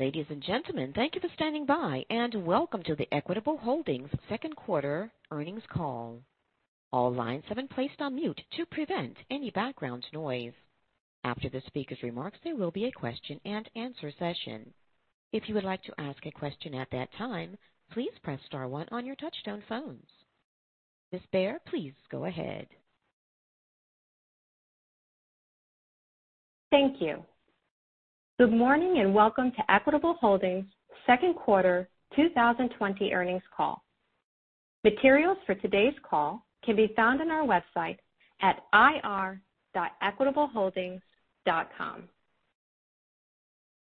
Ladies and gentlemen, thank you for standing by, and welcome to the Equitable Holdings second quarter earnings call. All lines have been placed on mute to prevent any background noise. After the speaker's remarks, there will be a question and answer session. If you would like to ask a question at that time, please press star one on your touchtone phones. Ms. Bair, please go ahead. Thank you. Good morning, and welcome to Equitable Holdings' second quarter 2020 earnings call. Materials for today's call can be found on our website at ir.equitableholdings.com.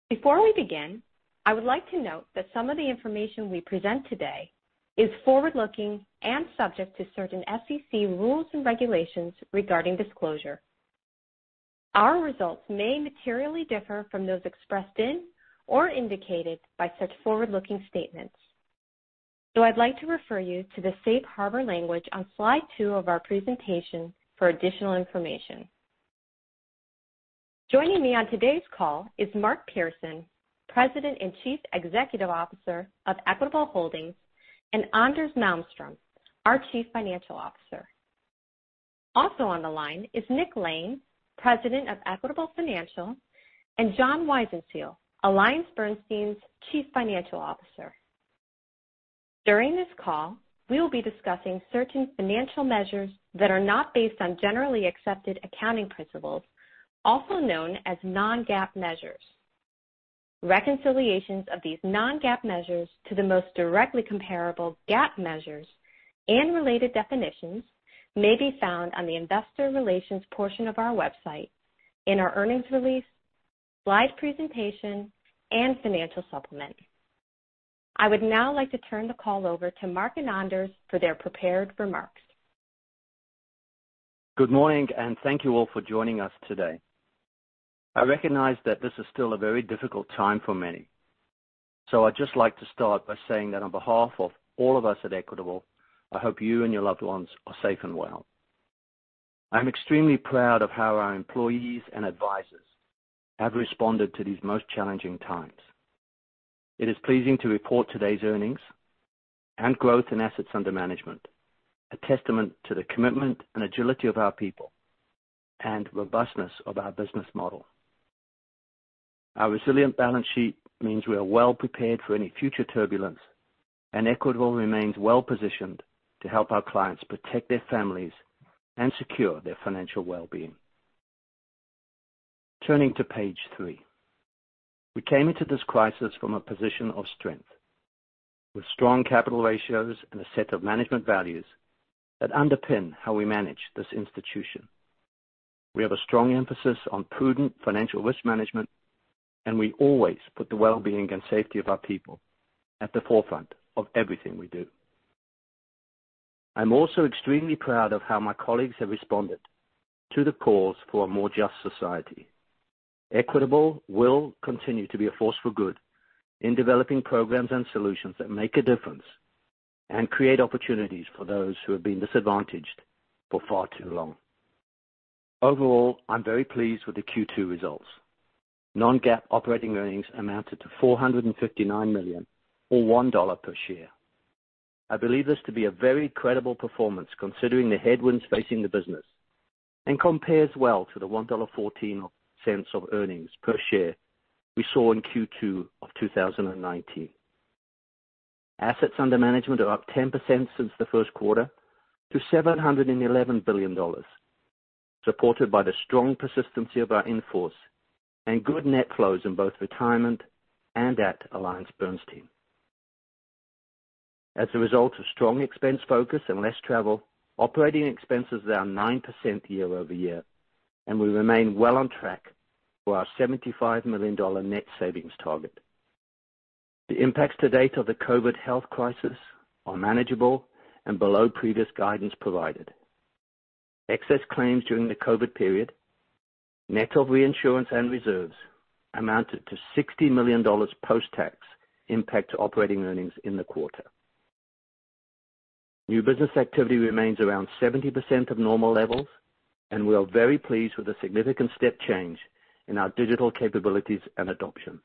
Before we begin, I would like to note that some of the information we present today is forward-looking and subject to certain SEC rules and regulations regarding disclosure. Our results may materially differ from those expressed in or indicated by such forward-looking statements. I'd like to refer you to the safe harbor language on slide two of our presentation for additional information. Joining me on today's call is Mark Pearson, President and Chief Executive Officer of Equitable Holdings, and Anders Malmström, our Chief Financial Officer. Also on the line is Nick Lane, President of Equitable Financial, and John Weisenseel, AllianceBernstein's Chief Financial Officer. During this call, we will be discussing certain financial measures that are not based on generally accepted accounting principles, also known as non-GAAP measures. Reconciliations of these non-GAAP measures to the most directly comparable GAAP measures and related definitions may be found on the investor relations portion of our website in our earnings release, slide presentation, and financial supplement. I would now like to turn the call over to Mark and Anders for their prepared remarks. Good morning, and thank you all for joining us today. I recognize that this is still a very difficult time for many, I'd just like to start by saying that on behalf of all of us at Equitable, I hope you and your loved ones are safe and well. I'm extremely proud of how our employees and advisors have responded to these most challenging times. It is pleasing to report today's earnings and growth in assets under management, a testament to the commitment and agility of our people and robustness of our business model. Our resilient balance sheet means we are well prepared for any future turbulence, and Equitable remains well-positioned to help our clients protect their families and secure their financial well-being. Turning to page three. We came into this crisis from a position of strength with strong capital ratios and a set of management values that underpin how we manage this institution. We have a strong emphasis on prudent financial risk management, and we always put the well-being and safety of our people at the forefront of everything we do. I'm also extremely proud of how my colleagues have responded to the cause for a more just society. Equitable will continue to be a force for good in developing programs and solutions that make a difference and create opportunities for those who have been disadvantaged for far too long. Overall, I'm very pleased with the Q2 results. Non-GAAP operating earnings amounted to $459 million or $1 per share. I believe this to be a very credible performance, considering the headwinds facing the business, and compares well to the $1.14 of earnings per share we saw in Q2 of 2019. Assets under management are up 10% since the first quarter to $711 billion, supported by the strong persistency of our in-force and good net flows in both retirement and at AllianceBernstein. As a result of strong expense focus and less travel, operating expenses are down 9% year-over-year, and we remain well on track for our $75 million net savings target. The impacts to date of the COVID health crisis are manageable and below previous guidance provided. Excess claims during the COVID period, net of reinsurance and reserves, amounted to $60 million post-tax impact to operating earnings in the quarter. New business activity remains around 70% of normal levels. We are very pleased with the significant step change in our digital capabilities and adoption.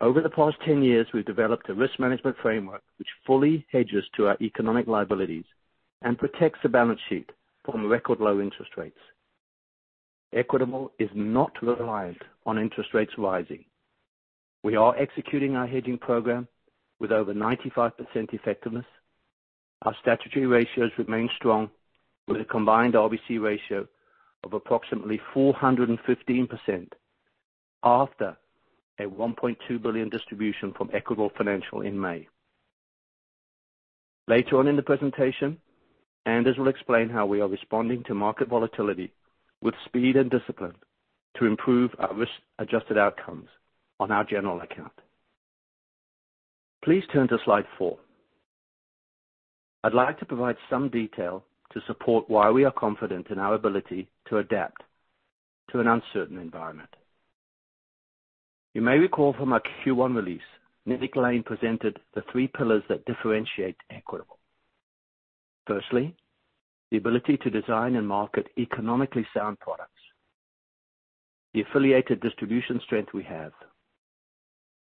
Over the past 10 years, we've developed a risk management framework which fully hedges to our economic liabilities and protects the balance sheet from record low interest rates. Equitable is not reliant on interest rates rising. We are executing our hedging program with over 95% effectiveness. Our statutory ratios remain strong with a combined RBC ratio of approximately 415% after a $1.2 billion distribution from Equitable Financial in May. Later on in the presentation, Anders will explain how we are responding to market volatility with speed and discipline to improve our risk-adjusted outcomes on our general account. Please turn to slide four. I'd like to provide some detail to support why we are confident in our ability to adapt to an uncertain environment. You may recall from our Q1 release, Nick Lane presented the three pillars that differentiate Equitable. Firstly, the ability to design and market economically sound products, the affiliated distribution strength we have,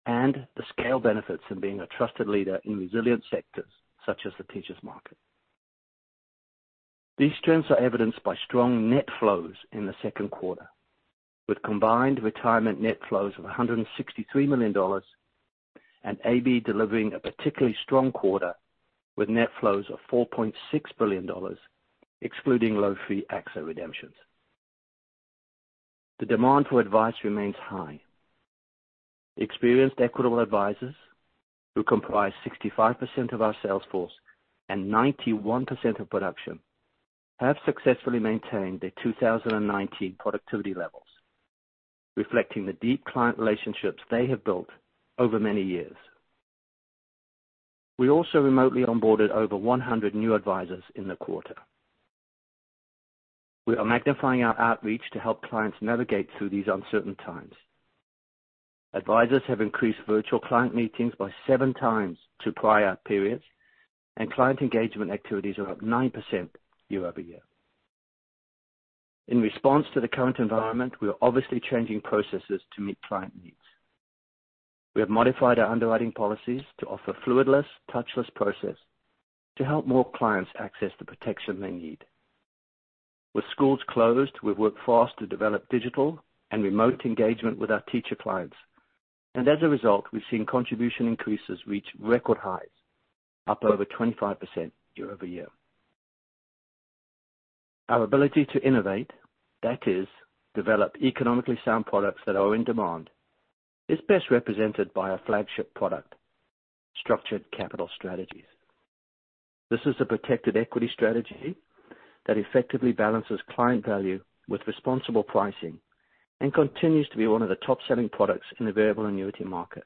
and the scale benefits in being a trusted leader in resilient sectors such as the teachers market. These trends are evidenced by strong net flows in the second quarter, with combined retirement net flows of $163 million and AB delivering a particularly strong quarter with net flows of $4.6 billion, excluding low-fee AXA redemptions. The demand for advice remains high. Experienced Equitable advisors, who comprise 65% of our sales force and 91% of production, have successfully maintained their 2019 productivity levels, reflecting the deep client relationships they have built over many years. We also remotely onboarded over 100 new advisors in the quarter. We are magnifying our outreach to help clients navigate through these uncertain times. Advisors have increased virtual client meetings by 7 times to prior periods, and client engagement activities are up 9% year-over-year. In response to the current environment, we are obviously changing processes to meet client needs. We have modified our underwriting policies to offer fluidless, touchless process to help more clients access the protection they need. With schools closed, we've worked fast to develop digital and remote engagement with our teacher clients. As a result, we've seen contribution increases reach record highs, up over 25% year-over-year. Our ability to innovate, that is, develop economically sound products that are in demand, is best represented by our flagship product, Structured Capital Strategies. This is a protected equity strategy that effectively balances client value with responsible pricing and continues to be one of the top-selling products in the variable annuity market.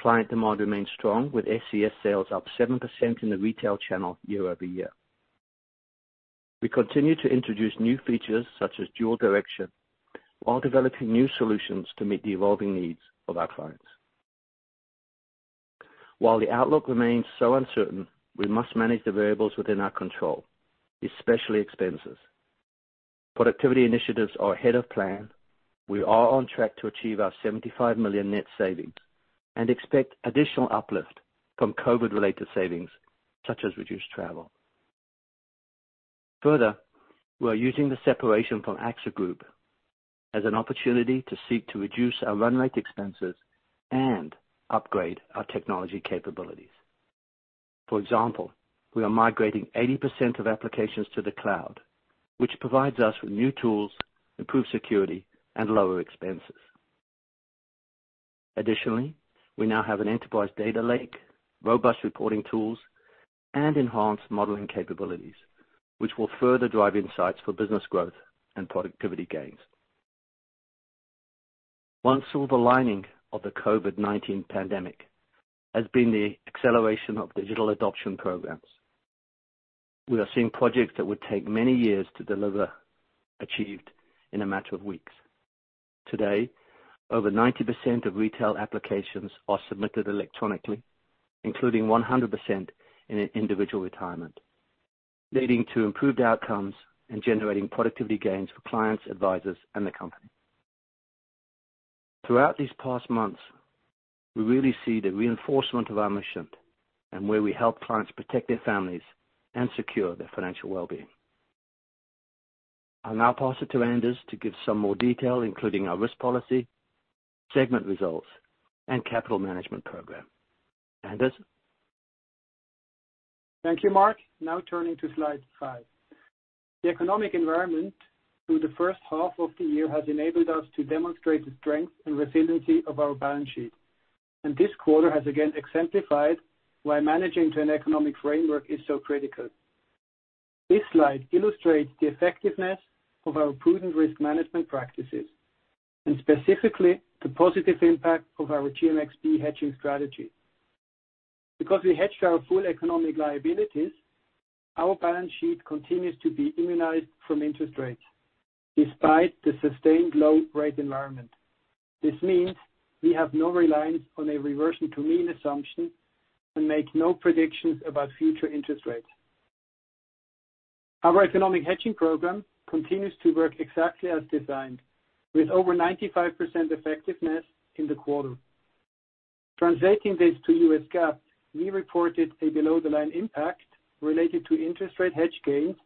Client demand remains strong, with SCS sales up 7% in the retail channel year-over-year. We continue to introduce new features such as Dual Direction while developing new solutions to meet the evolving needs of our clients. While the outlook remains so uncertain, we must manage the variables within our control, especially expenses. Productivity initiatives are ahead of plan. We are on track to achieve our $75 million net savings and expect additional uplift from COVID-19-related savings such as reduced travel. Further, we are using the separation from AXA Group as an opportunity to seek to reduce our run rate expenses and upgrade our technology capabilities. For example, we are migrating 80% of applications to the cloud, which provides us with new tools, improved security, and lower expenses. Additionally, we now have an enterprise data lake, robust reporting tools, and enhanced modeling capabilities, which will further drive insights for business growth and productivity gains. One silver lining of the COVID-19 pandemic has been the acceleration of digital adoption programs. We are seeing projects that would take many years to deliver, achieved in a matter of weeks. Today, over 90% of retail applications are submitted electronically, including 100% in Individual Retirement, leading to improved outcomes and generating productivity gains for clients, advisors, and the company. Throughout these past months, we really see the reinforcement of our mission and where we help clients protect their families and secure their financial well-being. I'll now pass it to Anders to give some more detail, including our risk policy, segment results, and capital management program. Anders? Thank you, Mark. Turning to slide five. The economic environment through the first half of the year has enabled us to demonstrate the strength and resiliency of our balance sheet, and this quarter has again exemplified why managing to an economic framework is so critical. This slide illustrates the effectiveness of our prudent risk management practices, and specifically, the positive impact of our GMXP hedging strategy. Because we hedge our full economic liabilities, our balance sheet continues to be immunized from interest rates despite the sustained low rate environment. This means we have no reliance on a reversion to mean assumption and make no predictions about future interest rates. Our economic hedging program continues to work exactly as designed, with over 95% effectiveness in the quarter. Translating this to U.S. GAAP, we reported a below-the-line impact related to interest rate hedge gains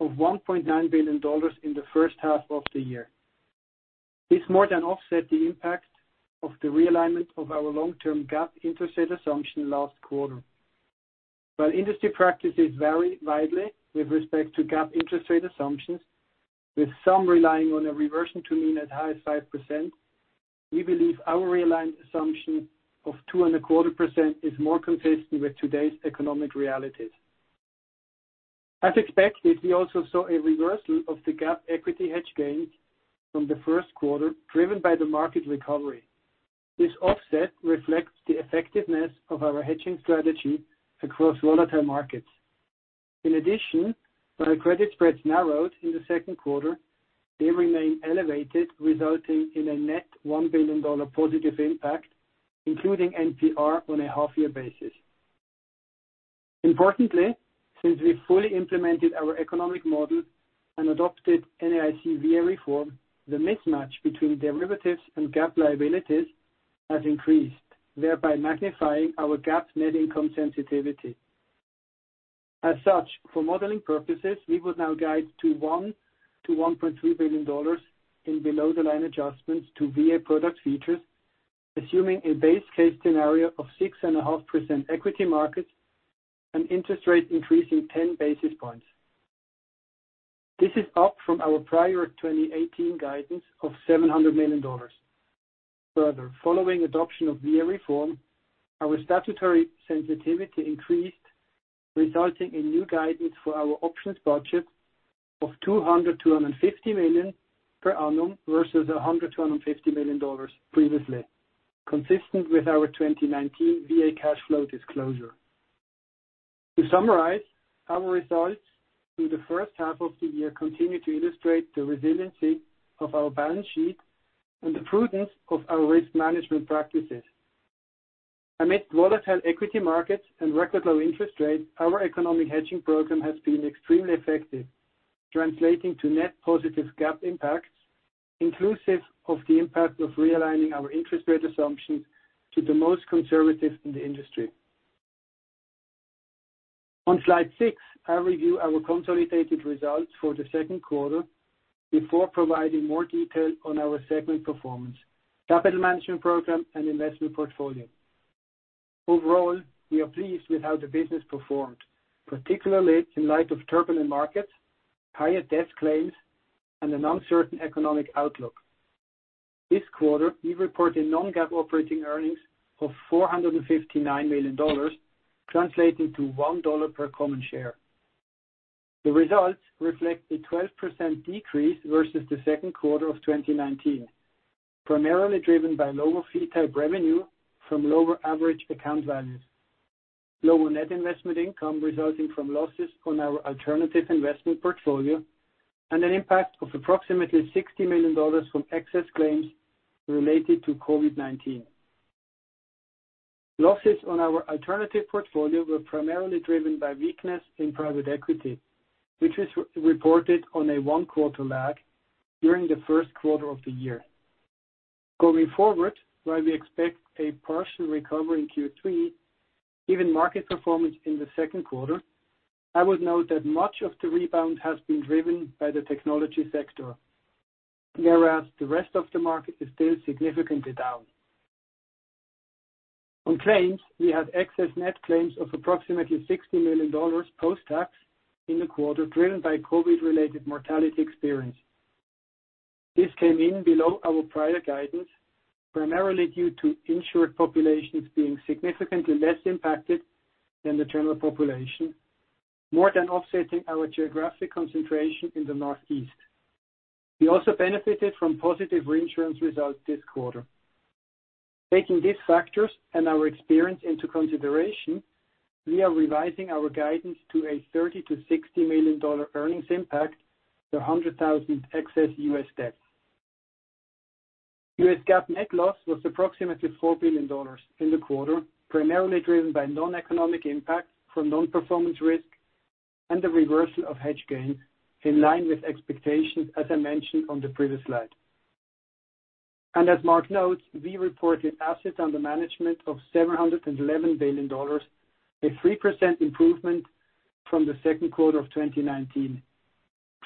of $1.9 billion in the first half of the year. This more than offset the impact of the realignment of our long-term GAAP interest rate assumption last quarter. While industry practices vary widely with respect to GAAP interest rate assumptions, with some relying on a reversion to mean as high as 5%, we believe our realigned assumption of 2.25% is more consistent with today's economic realities. As expected, we also saw a reversal of the GAAP equity hedge gains from the first quarter driven by the market recovery. This offset reflects the effectiveness of our hedging strategy across volatile markets. In addition, while credit spreads narrowed in the second quarter, they remain elevated, resulting in a net $1 billion positive impact, including NPR on a half-year basis. Importantly, since we fully implemented our economic model and adopted NAIC VA reform, the mismatch between derivatives and GAAP liabilities has increased, thereby magnifying our GAAP net income sensitivity. As such, for modeling purposes, we would now guide to $1 billion-$1.3 billion in below-the-line adjustments to VA product features, assuming a base case scenario of 6.5% equity markets and interest rate increasing 10 basis points. This is up from our prior 2018 guidance of $700 million. Further, following adoption of VA reform, our statutory sensitivity increased, resulting in new guidance for our options budget of $200 million-$250 million per annum versus $100 million-$150 million previously, consistent with our 2019 VA cash flow disclosure. To summarize, our results through the first half of the year continue to illustrate the resiliency of our balance sheet and the prudence of our risk management practices. Amid volatile equity markets and record low interest rates, our economic hedging program has been extremely effective, translating to net positive GAAP impacts, inclusive of the impact of realigning our interest rate assumptions to the most conservative in the industry. On slide six, I'll review our consolidated results for the second quarter before providing more detail on our segment performance, capital management program, and investment portfolio. Overall, we are pleased with how the business performed, particularly in light of turbulent markets, higher death claims, and an uncertain economic outlook. This quarter, we reported non-GAAP operating earnings of $459 million, translating to $1 per common share. The results reflect a 12% decrease versus the second quarter of 2019, primarily driven by lower fee type revenue from lower average account values, lower net investment income resulting from losses on our alternative investment portfolio, and an impact of approximately $60 million from excess claims related to COVID-19. Losses on our alternative portfolio were primarily driven by weakness in private equity, which is reported on a one-quarter lag during the first quarter of the year. Going forward, while we expect a partial recovery in Q3, given market performance in the second quarter, I would note that much of the rebound has been driven by the technology sector, whereas the rest of the market is still significantly down. On claims, we had excess net claims of approximately $60 million post-tax in the quarter, driven by COVID-related mortality experience. This came in below our prior guidance, primarily due to insured populations being significantly less impacted than the general population, more than offsetting our geographic concentration in the Northeast. We also benefited from positive reinsurance results this quarter. Taking these factors and our experience into consideration, we are revising our guidance to a $30 million to $60 million earnings impact to 100,000 excess U.S. deaths. U.S. GAAP net loss was approximately $4 billion in the quarter, primarily driven by non-economic impacts from non-performance risk and the reversal of hedge gains in line with expectations, as I mentioned on the previous slide. As Mark notes, we reported assets under management of $711 billion, a 3% improvement from the second quarter of 2019,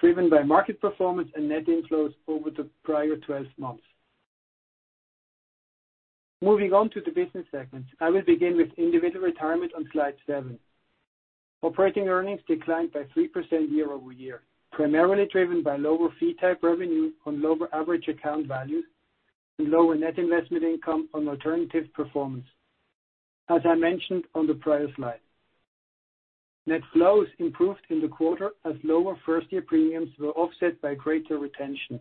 driven by market performance and net inflows over the prior 12 months. Moving on to the business segments, I will begin with Individual Retirement on slide seven. Operating earnings declined by 3% year-over-year, primarily driven by lower fee type revenue on lower average account values and lower net investment income on alternative performance, as I mentioned on the prior slide. Net flows improved in the quarter as lower first-year premiums were offset by greater retention.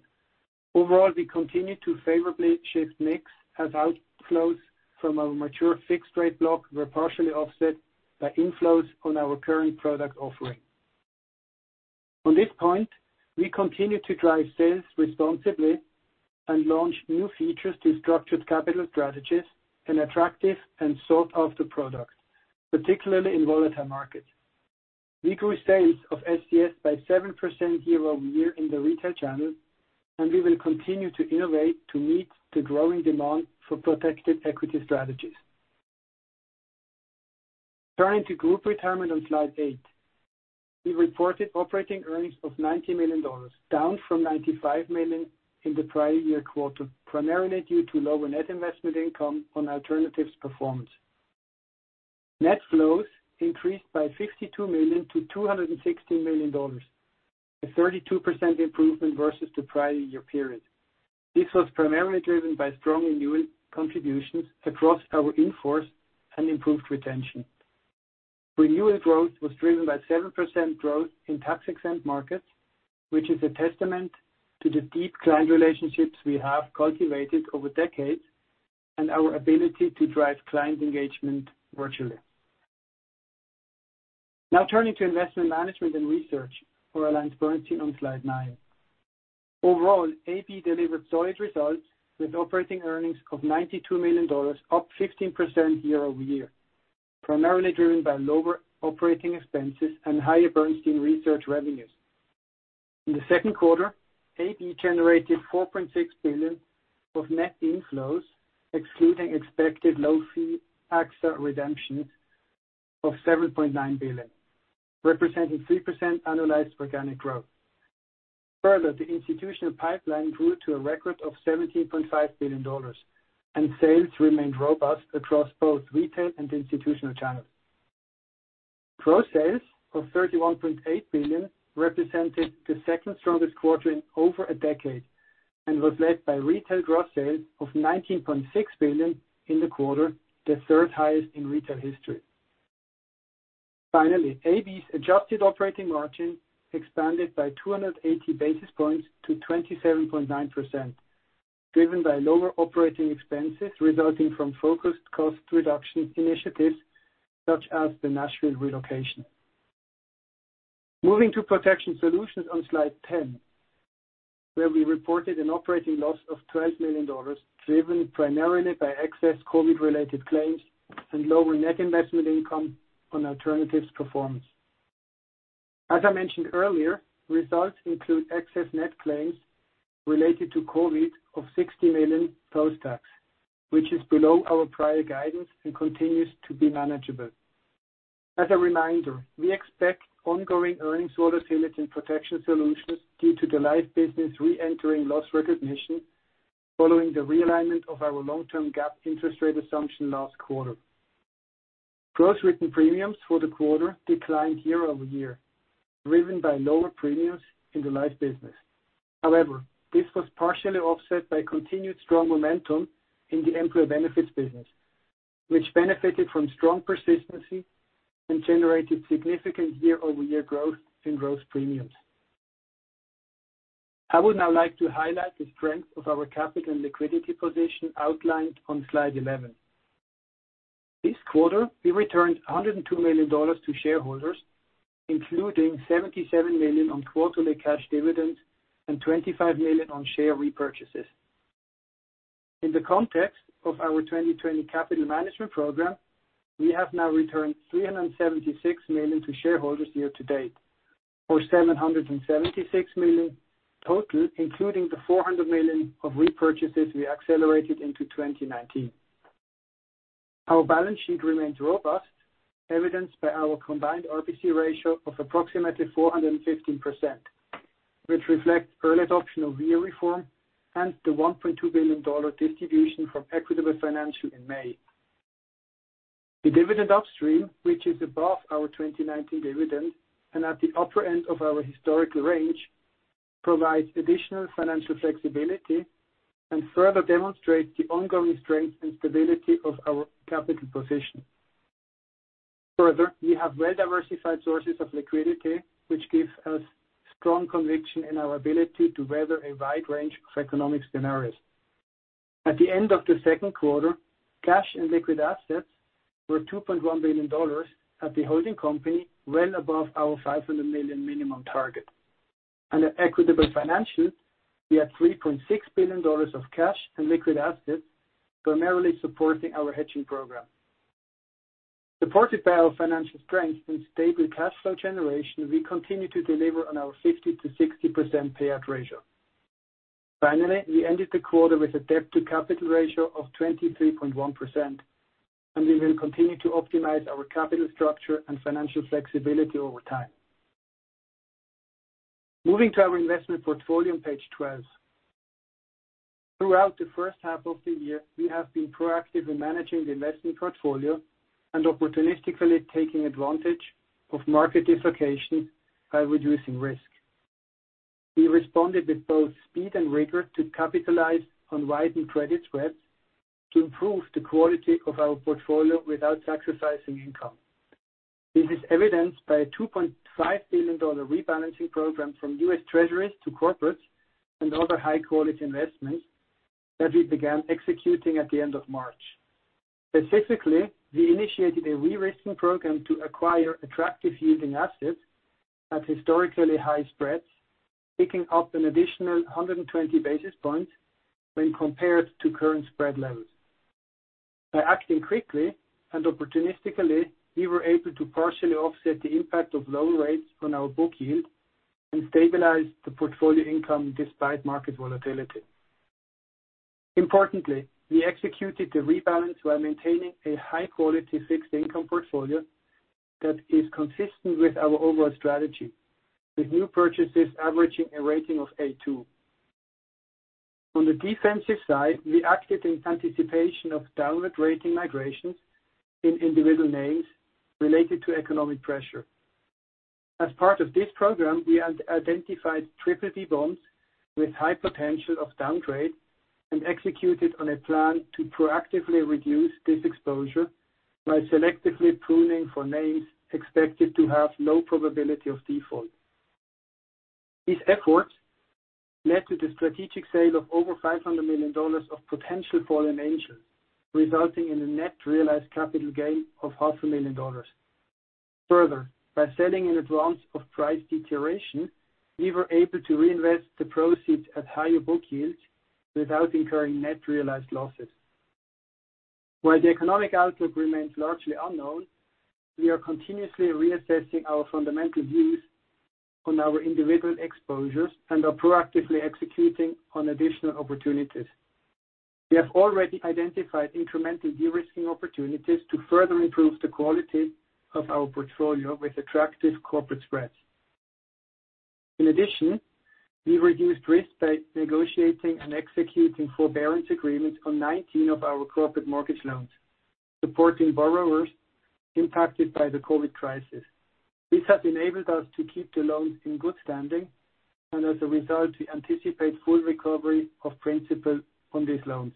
Overall, we continued to favorably shift mix as outflows from our mature fixed-rate block were partially offset by inflows on our current product offering. On this point, we continue to drive sales responsibly and launch new features to Structured Capital Strategies, an attractive and sought-after product, particularly in volatile markets. We grew sales of SCS by 7% year-over-year in the retail channel, and we will continue to innovate to meet the growing demand for protected equity strategies. Turning to Group Retirement on slide eight. We reported operating earnings of $90 million, down from $95 million in the prior year quarter, primarily due to lower net investment income on alternatives performance. Net flows increased by $62 million to $216 million, a 32% improvement versus the prior year period. This was primarily driven by strong renewal contributions across our in-force and improved retention. Renewal growth was driven by 7% growth in tax-exempt markets, which is a testament to the deep client relationships we have cultivated over decades. Our ability to drive client engagement virtually. Now turning to investment management and research for AllianceBernstein on slide nine. Overall, AB delivered solid results with operating earnings of $92 million, up 15% year-over-year, primarily driven by lower operating expenses and higher Bernstein research revenues. In the second quarter, AB generated $4.6 billion of net inflows, excluding expected low-fee AXA redemptions of $7.9 billion, representing 3% annualized organic growth. Further, the institutional pipeline grew to a record of $17.5 billion, and sales remained robust across both retail and institutional channels. Gross sales of $31.8 billion represented the second strongest quarter in over a decade, and was led by retail gross sales of $19.6 billion in the quarter, the third highest in retail history. Finally, AB's adjusted operating margin expanded by 280 basis points to 27.9%, driven by lower operating expenses resulting from focused cost reduction initiatives such as the Nashville relocation. Moving to Protection Solutions on slide 10, where we reported an operating loss of $12 million, driven primarily by excess COVID-related claims and lower net investment income on alternatives performance. As I mentioned earlier, results include excess net claims related to COVID of $60 million post-tax, which is below our prior guidance and continues to be manageable. As a reminder, we expect ongoing earnings volatility in Protection Solutions due to the life business re-entering loss recognition following the realignment of our long-term GAAP interest rate assumption last quarter. Gross written premiums for the quarter declined year-over-year, driven by lower premiums in the life business. However, this was partially offset by continued strong momentum in the employee benefits business, which benefited from strong persistency and generated significant year-over-year growth in gross premiums. I would now like to highlight the strength of our capital and liquidity position outlined on slide 11. This quarter, we returned $102 million to shareholders, including $77 million on quarterly cash dividends and $25 million on share repurchases. In the context of our 2020 capital management program, we have now returned $376 million to shareholders year to date, or $776 million total, including the $400 million of repurchases we accelerated into 2019. Our balance sheet remains robust, evidenced by our combined RBC ratio of approximately 415%, which reflects early adoption of VA reform and the $1.2 billion distribution from Equitable Financial in May. The dividend upstream, which is above our 2019 dividend and at the upper end of our historical range, provides additional financial flexibility and further demonstrates the ongoing strength and stability of our capital position. Further, we have well-diversified sources of liquidity, which give us strong conviction in our ability to weather a wide range of economic scenarios. At the end of the second quarter, cash and liquid assets were $2.1 billion at the holding company, well above our $500 million minimum target. Under Equitable Financial, we had $3.6 billion of cash and liquid assets, primarily supporting our hedging program. Supported by our financial strength and stable cash flow generation, we continue to deliver on our 50%-60% payout ratio. Finally, we ended the quarter with a debt-to-capital ratio of 23.1%, and we will continue to optimize our capital structure and financial flexibility over time. Moving to our investment portfolio on page 12. Throughout the first half of the year, we have been proactive in managing the investment portfolio and opportunistically taking advantage of market dislocation by reducing risk. We responded with both speed and rigor to capitalize on widened credit spreads to improve the quality of our portfolio without sacrificing income. This is evidenced by a $2.5 billion rebalancing program from U.S. Treasuries to corporates and other high-quality investments that we began executing at the end of March. Specifically, we initiated a de-risking program to acquire attractive yielding assets at historically high spreads, picking up an additional 120 basis points when compared to current spread levels. By acting quickly and opportunistically, we were able to partially offset the impact of lower rates on our book yield and stabilize the portfolio income despite market volatility. Importantly, we executed the rebalance while maintaining a high-quality fixed income portfolio that is consistent with our overall strategy, with new purchases averaging a rating of A2. On the defensive side, we acted in anticipation of downward rating migrations in individual names related to economic pressure. As part of this program, we identified triple B bonds with high potential of downgrade and executed on a plan to proactively reduce this exposure by selectively pruning for names expected to have low probability of default. These efforts led to the strategic sale of over $500 million of potential fallen angels, resulting in a net realized capital gain of half a million dollars. Further, by selling in advance of price deterioration, we were able to reinvest the proceeds at higher book yields without incurring net realized losses. While the economic outlook remains largely unknown, we are continuously reassessing our fundamental views on our individual exposures and are proactively executing on additional opportunities. We have already identified incremental de-risking opportunities to further improve the quality of our portfolio with attractive corporate spreads. In addition, we reduced risk by negotiating and executing forbearance agreements on 19 of our corporate mortgage loans, supporting borrowers impacted by the COVID-19 crisis. This has enabled us to keep the loans in good standing, and as a result, we anticipate full recovery of principal on these loans.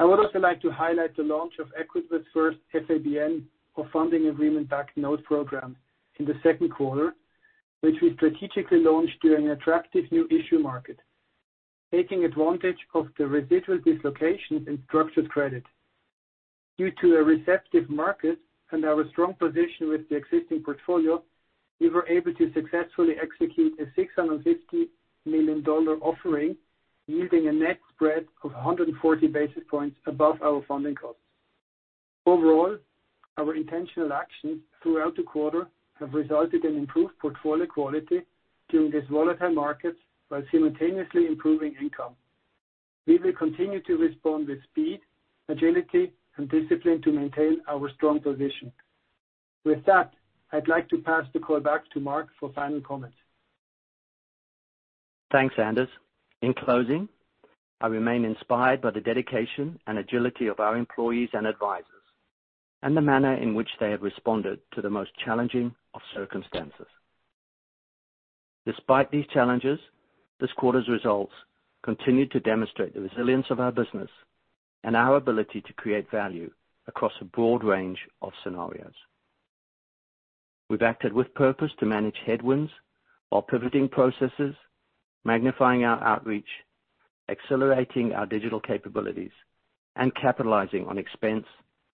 I would also like to highlight the launch of Equitable's first FABN, or Funding Agreement-Backed Notes program, in the second quarter, which we strategically launched during an attractive new issue market, taking advantage of the residual dislocations in structured credit. Due to a receptive market and our strong position with the existing portfolio, we were able to successfully execute a $650 million offering, yielding a net spread of 140 basis points above our funding costs. Overall, our intentional actions throughout the quarter have resulted in improved portfolio quality during these volatile markets while simultaneously improving income. We will continue to respond with speed, agility, and discipline to maintain our strong position. With that, I'd like to pass the call back to Mark for final comments. Thanks, Anders. In closing, I remain inspired by the dedication and agility of our employees and advisors, and the manner in which they have responded to the most challenging of circumstances. Despite these challenges, this quarter's results continue to demonstrate the resilience of our business and our ability to create value across a broad range of scenarios. We've acted with purpose to manage headwinds while pivoting processes, magnifying our outreach, accelerating our digital capabilities, and capitalizing on expense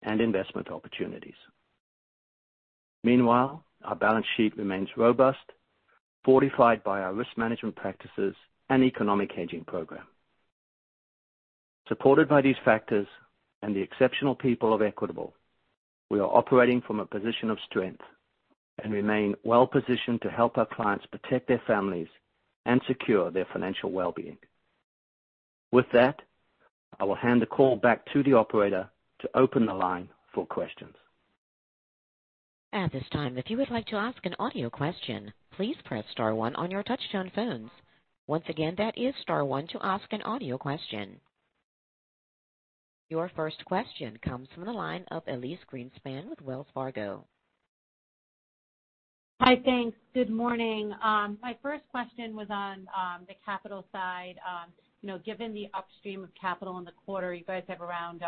and investment opportunities. Meanwhile, our balance sheet remains robust, fortified by our risk management practices and economic hedging program. Supported by these factors and the exceptional people of Equitable, we are operating from a position of strength and remain well-positioned to help our clients protect their families and secure their financial well-being. With that, I will hand the call back to the operator to open the line for questions. At this time, if you would like to ask an audio question, please press star one on your touchtone phones. Once again, that is star one to ask an audio question. Your first question comes from the line of Elyse Greenspan with Wells Fargo. Hi. Thanks. Good morning. My first question was on the capital side. Given the upstream of capital in the quarter, you guys have around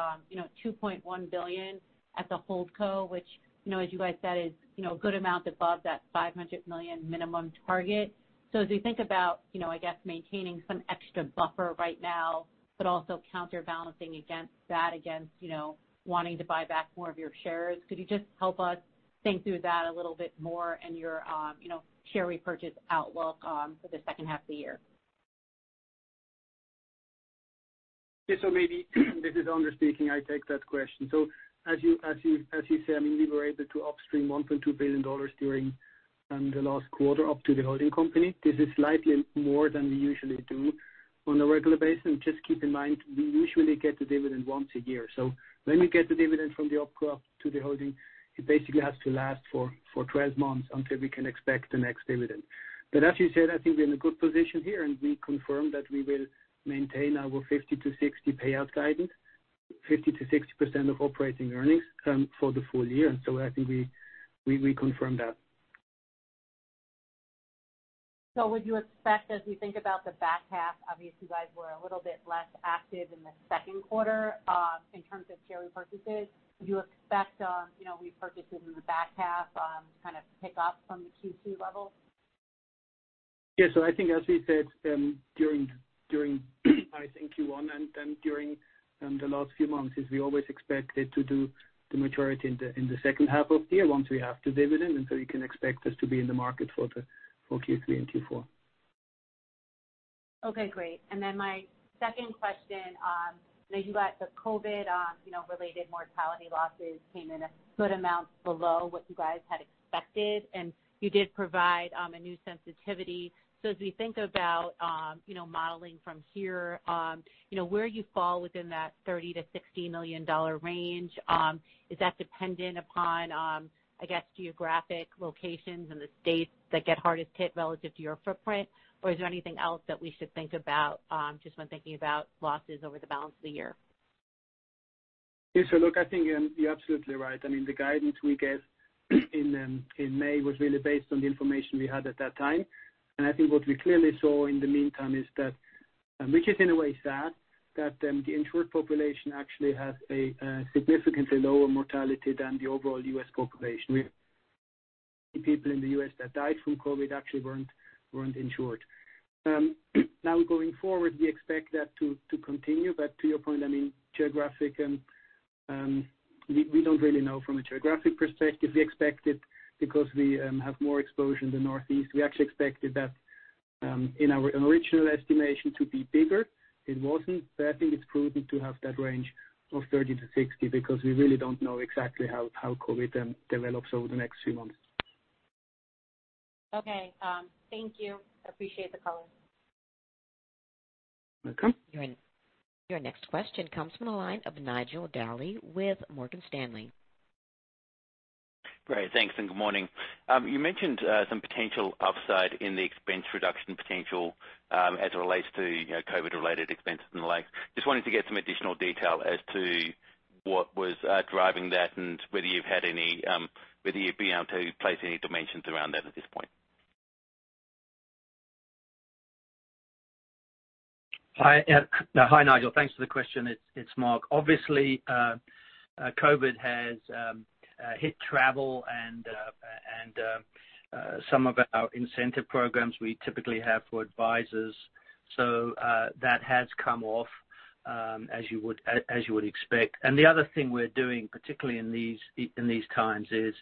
$2.1 billion at the holdco, which as you guys said is a good amount above that $500 million minimum target. As we think about, I guess, maintaining some extra buffer right now, but also counterbalancing against that against wanting to buy back more of your shares, could you just help us think through that a little bit more and your share repurchase outlook for the second half of the year? Yeah. Maybe, this is Anders speaking, I take that question. As you say, we were able to upstream $1.2 billion during the last quarter up to the holding company. This is slightly more than we usually do on a regular basis. Just keep in mind, we usually get the dividend once a year. When we get the dividend from the opco up to the holding, it basically has to last for 12 months until we can expect the next dividend. As you said, I think we're in a good position here, and we confirm that we will maintain our 50%-60% payout guidance, 50%-60% of operating earnings for the full year. I think we confirm that. Would you expect as we think about the back half, obviously, you guys were a little bit less active in the second quarter, in terms of share repurchases. Do you expect repurchases in the back half to kind of pick up from the Q2 level? Yeah. I think as we said during, I think Q1 and during the last few months is we always expected to do the majority in the second half of the year once we have the dividend, you can expect us to be in the market for Q3 and Q4. Okay, great. My second question, I know you got the COVID related mortality losses came in a good amount below what you guys had expected, and you did provide a new sensitivity. As we think about modeling from here, where you fall within that $30 million-$60 million range, is that dependent upon, I guess, geographic locations and the states that get hardest hit relative to your footprint? Or is there anything else that we should think about just when thinking about losses over the balance of the year? Yeah. Look, I think you're absolutely right. The guidance we gave in May was really based on the information we had at that time. I think what we clearly saw in the meantime is that Which is in a way sad that the insured population actually has a significantly lower mortality than the overall U.S. population. Many people in the U.S. that died from COVID actually weren't insured. Now going forward, we expect that to continue. To your point, we don't really know from a geographic perspective. We have more exposure in the Northeast, we actually expected that in our original estimation, to be bigger. It wasn't, but I think it's prudent to have that range of $30-$60 because we really don't know exactly how COVID develops over the next few months. Okay. Thank you. Appreciate the color. Welcome. Your next question comes from the line of Nigel D'Arcy with Morgan Stanley. Great. Thanks, good morning. You mentioned some potential upside in the expense reduction potential, as it relates to COVID-related expenses and the like. Wanted to get some additional detail as to what was driving that and whether you've been able to place any dimensions around that at this point. Hi, Nigel. Thanks for the question. It's Mark. Obviously, COVID has hit travel and some of our incentive programs we typically have for advisors. That has come off, as you would expect. The other thing we're doing, particularly in these times, is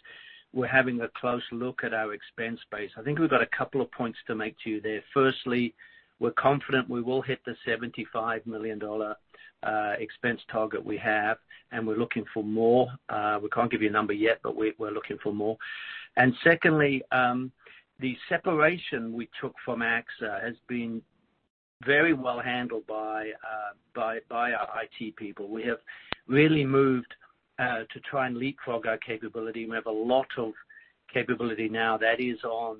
we're having a close look at our expense base. I think we've got a couple of points to make to you there. Firstly, we're confident we will hit the $75 million expense target we have, and we're looking for more. We can't give you a number yet, but we're looking for more. Secondly, the separation we took from AXA has been very well handled by our IT people. We have really moved to try and leapfrog our capability, we have a lot of capability now that is on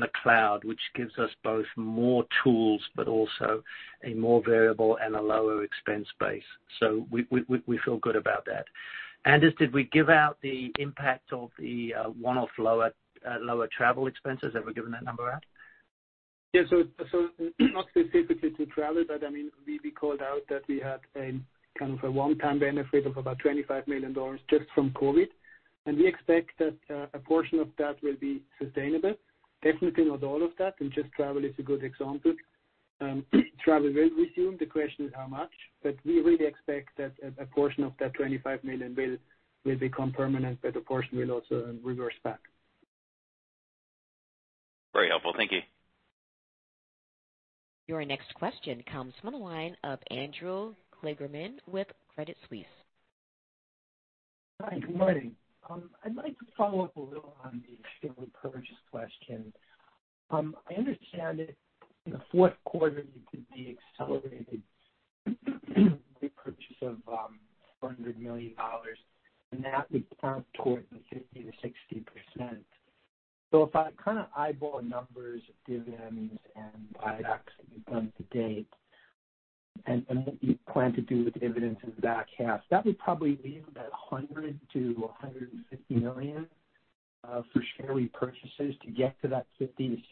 the cloud, which gives us both more tools, but also a more variable and a lower expense base. We feel good about that. Anders, did we give out the impact of the one-off lower travel expenses? Have we given that number out? Yeah. Not specifically to travel, but we called out that we had a one-time benefit of about $25 million just from COVID, we expect that a portion of that will be sustainable. Definitely not all of that, just travel is a good example. Travel will resume. The question is how much, but we really expect that a portion of that $25 million will become permanent, but a portion will also reverse back. Very helpful. Thank you. Your next question comes from the line of Andrew Kligerman with Credit Suisse. Hi, good morning. I'd like to follow up a little on the share repurchase question. I understand it in the fourth quarter you did the accelerated repurchase of $400 million, and that would count towards the 50%-60%. If I eyeball the numbers of dividends and buybacks that you've done to date, and what you plan to do with the dividends in the back half, that would probably leave about $100 million-$150 million for share repurchases to get to that 50%-60%,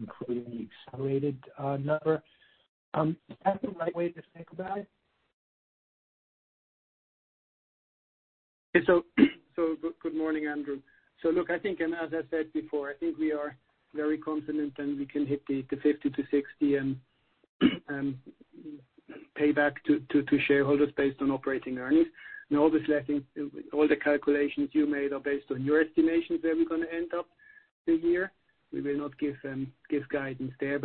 including the accelerated number. Is that the right way to think about it? Good morning, Andrew. Look, I think and as I said before, I think we are very confident, and we can hit the 50%-60% and pay back to shareholders based on operating earnings. Obviously, I think all the calculations you made are based on your estimations where we're going to end up the year. We will not give guidance there.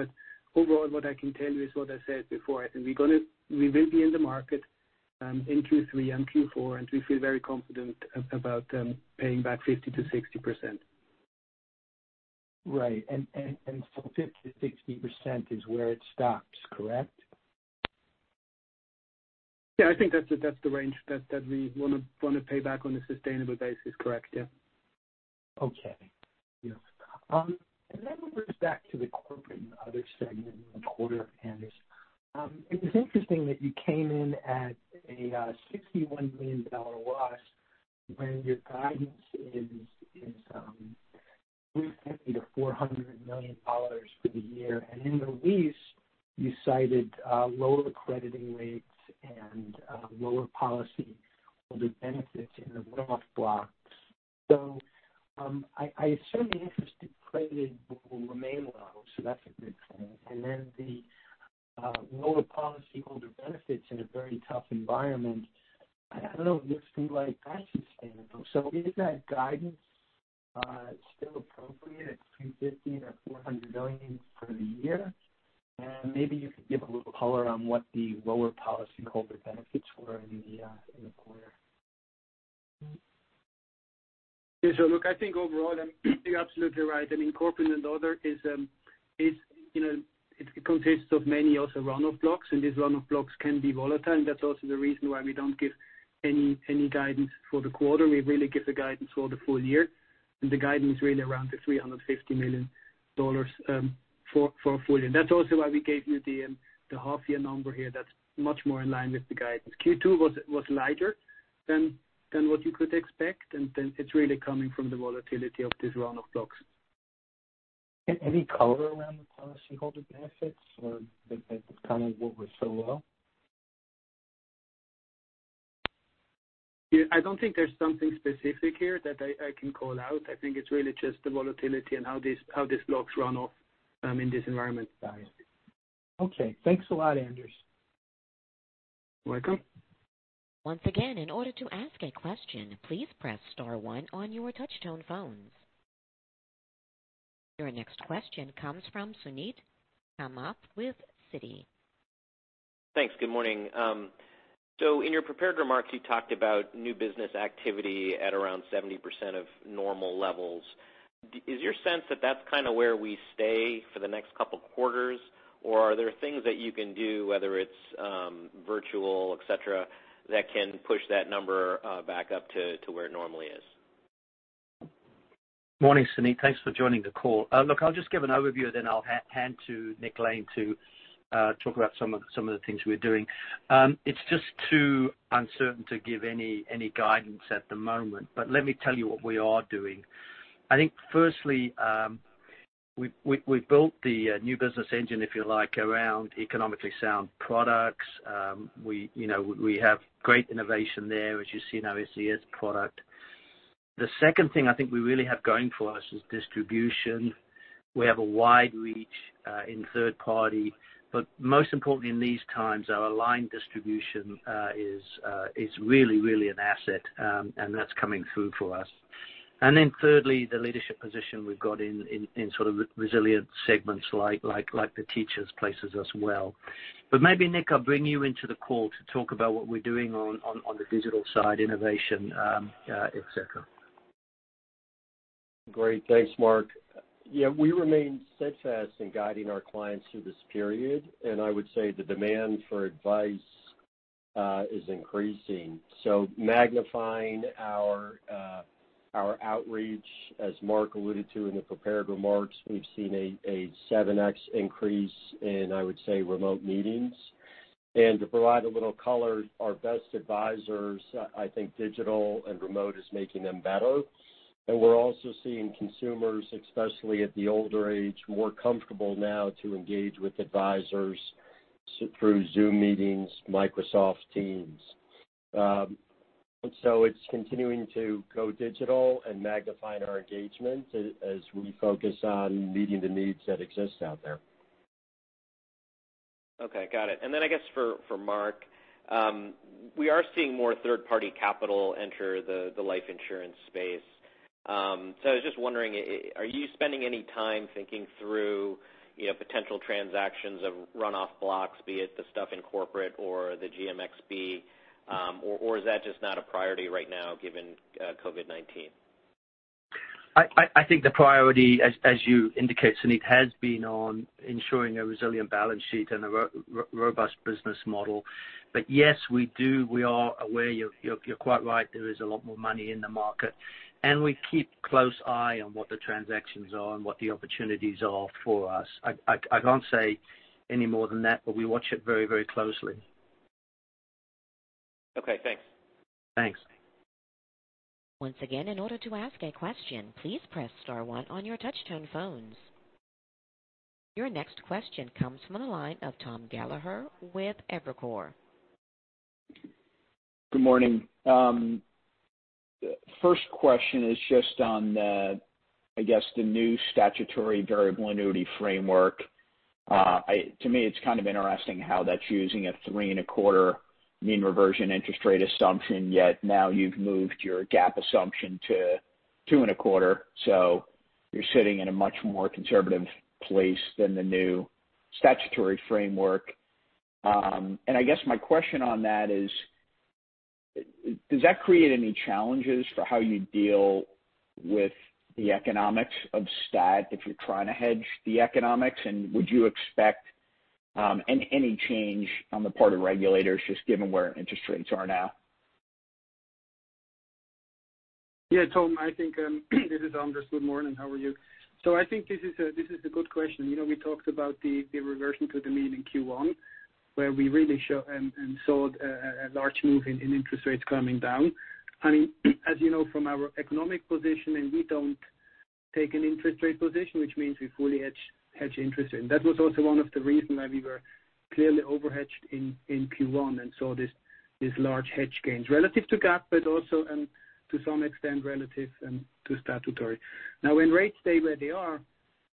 Overall, what I can tell you is what I said before. We will be in the market in Q3 and Q4, and we feel very confident about paying back 50%-60%. Right. 50%-60% is where it stops, correct? Yeah, I think that's the range that we want to pay back on a sustainable basis. Correct. Yeah. Okay. Yes. I want to go back to the Corporate and Other segment in the quarter, Anders. It was interesting that you came in at a $61 million loss when your guidance is $350 million-$400 million for the year. In the release, you cited lower crediting rates and lower policyholder benefits in the run-off blocks. I assume the interest credited will remain low, so that's a good thing. The lower policyholder benefits in a very tough environment, I don't know, it looks to me like that's sustainable. Is that guidance still appropriate at $350 million-$400 million for the year? Maybe you could give a little color on what the lower policyholder benefits were in the quarter. Yeah. Look, I think overall, you're absolutely right. I mean, Corporate and Other consists of many also run-off blocks, these run-off blocks can be volatile, that's also the reason why we don't give any guidance for the quarter. We really give the guidance for the full year, the guidance really around the $350 million for a full year. That's also why we gave you the half-year number here. That's much more in line with the guidance. Q2 was lighter than what you could expect, it's really coming from the volatility of these run-off blocks. Any color around the policyholder benefits, or the kind of what was so low? I don't think there's something specific here that I can call out. I think it's really just the volatility and how these blocks run off in this environment. Got it. Okay. Thanks a lot, Anders. You're welcome. Once again, in order to ask a question, please press *1 on your touch-tone phones. Your next question comes from Suneet Kamath with Citi. Thanks. Good morning. In your prepared remarks, you talked about new business activity at around 70% of normal levels. Is your sense that that's kind of where we stay for the next couple of quarters, or are there things that you can do, whether it's virtual, et cetera, that can push that number back up to where it normally is? Morning, Suneet. Thanks for joining the call. I'll just give an overview, then I'll hand to Nick Lane to talk about some of the things we're doing. It's just too uncertain to give any guidance at the moment. Let me tell you what we are doing. I think firstly, we've built the new business engine, if you like, around economically sound products. We have great innovation there, as you see in our SCS product. The second thing I think we really have going for us is distribution. We have a wide reach in third party, but most importantly in these times, our aligned distribution is really an asset, and that's coming through for us. Thirdly, the leadership position we've got in sort of resilient segments like the teachers places as well. Maybe, Nick, I'll bring you into the call to talk about what we're doing on the digital side, innovation, et cetera. Great. Thanks, Mark. We remain steadfast in guiding our clients through this period. I would say the demand for advice is increasing. Magnifying our outreach, as Mark alluded to in the prepared remarks, we've seen a 7X increase in, I would say, remote meetings. To provide a little color, our best advisors, I think digital and remote is making them better. We're also seeing consumers, especially at the older age, more comfortable now to engage with advisors through Zoom meetings, Microsoft Teams. It's continuing to go digital and magnifying our engagement as we focus on meeting the needs that exist out there. Okay. Got it. I guess for Mark, we are seeing more third-party capital enter the life insurance space. I was just wondering, are you spending any time thinking through potential transactions of runoff blocks, be it the stuff in corporate or the GMXP, or is that just not a priority right now given COVID-19? I think the priority, as you indicate, Suneet, has been on ensuring a resilient balance sheet and a robust business model. Yes, we do. We are aware. You're quite right. There is a lot more money in the market, and we keep close eye on what the transactions are and what the opportunities are for us. I can't say any more than that, but we watch it very closely. Okay. Thanks. Thanks. Once again, in order to ask a question, please press *1 on your touch-tone phones. Your next question comes from the line of Tom Gallagher with Evercore. Good morning. First question is just on the, I guess, the new statutory variable annuity framework. To me, it's kind of interesting how that's using a three-and-a-quarter mean reversion interest rate assumption, yet now you've moved your GAAP assumption to two and a quarter. You're sitting in a much more conservative place than the new statutory framework. I guess my question on that is, does that create any challenges for how you deal with the economics of stat if you're trying to hedge the economics? Would you expect any change on the part of regulators, just given where interest rates are now? Yeah, Tom, this is Anders. Good morning. How are you? I think this is a good question. We talked about the reversion to the mean in Q1, where we really show and saw a large move in interest rates coming down. As you know, from our economic position, we don't take an interest rate position, which means we fully hedge interest. That was also one of the reasons why we were clearly overhedged in Q1 and saw these large hedge gains relative to GAAP, but also to some extent, relative to statutory. When rates stay where they are,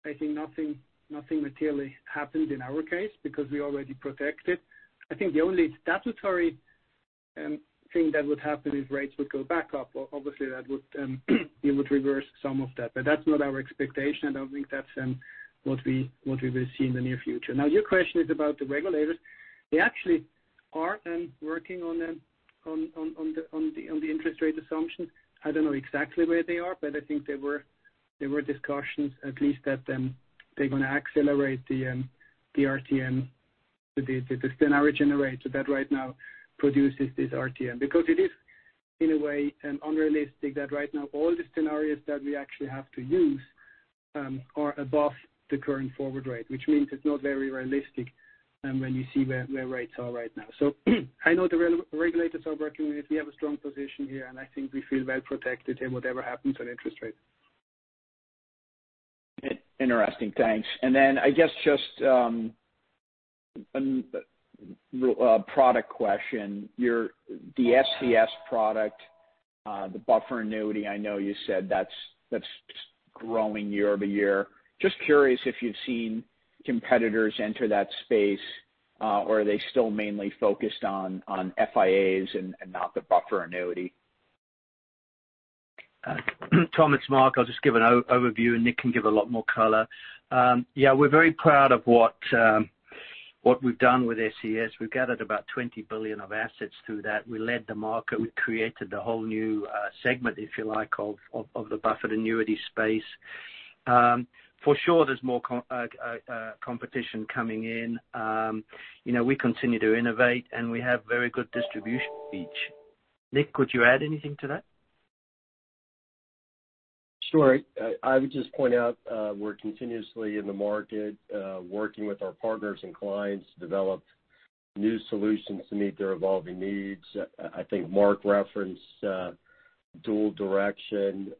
I think nothing materially happened in our case because we already protected. I think the only statutory thing that would happen if rates would go back up, obviously it would reverse some of that. That's not our expectation. I don't think that's what we will see in the near future. Your question is about the regulators. They actually are working on the interest rate assumption. I don't know exactly where they are, but I think there were discussions at least that they're going to accelerate the RTM, the scenario generator that right now produces this RTM. It is in a way unrealistic that right now all the scenarios that we actually have to use are above the current forward rate, which means it's not very realistic when you see where rates are right now. I know the regulators are working with, we have a strong position here, and I think we feel well-protected in whatever happens on interest rates. Interesting. Thanks. I guess just a product question. The SCS product, the buffer annuity, I know you said that's growing year-over-year. Just curious if you've seen competitors enter that space, or are they still mainly focused on FIAs and not the buffer annuity? Tom, it's Mark. I'll just give an overview. Nick can give a lot more color. We're very proud of what we've done with SCS. We've gathered about $20 billion of assets through that. We led the market. We created a whole new segment, if you like, of the buffered annuity space. There's more competition coming in. We continue to innovate, and we have very good distribution reach. Nick, could you add anything to that? Sure. I would just point out we're continuously in the market, working with our partners and clients to develop new solutions to meet their evolving needs. I think Mark referenced Dual Direction.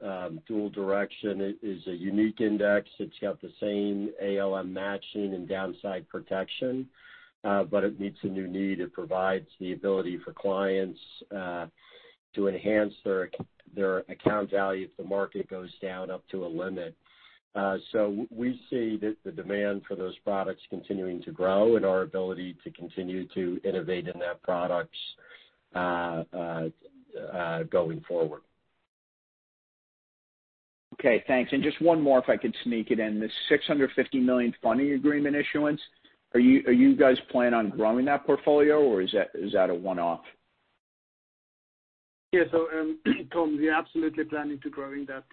Dual Direction is a unique index. It's got the same ALM matching and downside protection, but it meets a new need. It provides the ability for clients to enhance their account value if the market goes down up to a limit. We see the demand for those products continuing to grow and our ability to continue to innovate in that products going forward. Okay, thanks. Just one more, if I could sneak it in. The $650 million funding agreement issuance, are you guys planning on growing that portfolio, or is that a one-off? Tom, we're absolutely planning to growing that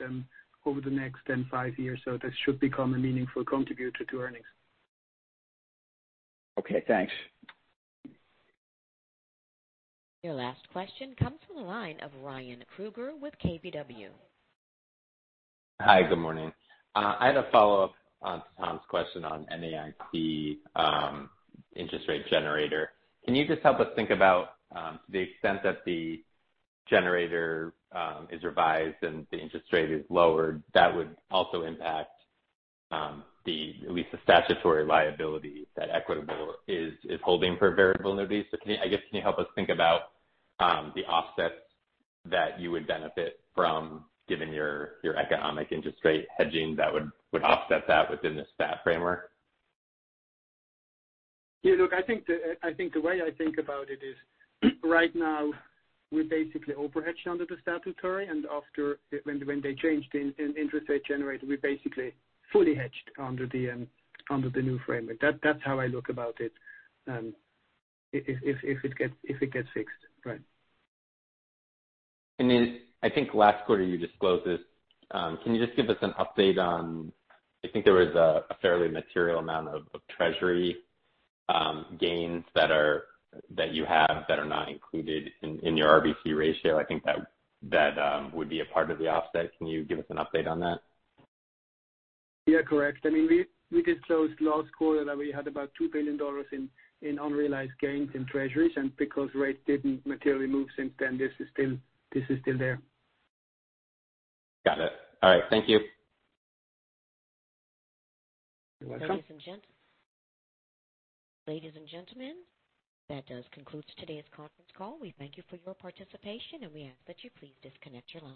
over the next five years. This should become a meaningful contributor to earnings. Okay, thanks. Your last question comes from the line of Ryan Krueger with KBW. Hi, good morning. I had a follow-up on Tom's question on NAIC interest rate generator. Can you just help us think about the extent that the generator is revised and the interest rate is lowered, that would also impact at least the statutory liability that Equitable is holding for variable annuities? I guess, can you help us think about the offsets that you would benefit from given your economic interest rate hedging that would offset that within the stat framework? Yeah, look, I think the way I think about it is right now we're basically overhedged under the statutory, and after when they changed the interest rate generator, we're basically fully hedged under the new framework. That's how I look about it, if it gets fixed. Right. I think last quarter you disclosed this. Can you just give us an update on, I think there was a fairly material amount of treasury gains that you have that are not included in your RBC ratio. I think that would be a part of the offset. Can you give us an update on that? Yeah, correct. We disclosed last quarter that we had about $2 billion in unrealized gains in treasuries, and because rates didn't materially move since then, this is still there. Got it. All right, thank you. You're welcome. Ladies and gentlemen, that does conclude today's conference call. We thank you for your participation, and we ask that you please disconnect your lines.